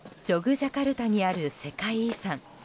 ジャカルタにある世界遺産。